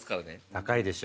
高いでしょ？